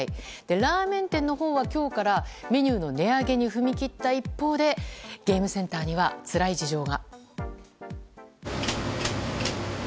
ラーメン店のほうは今日からメニューの値上げに踏み切った一方でゲームセンターにはつらい事情が。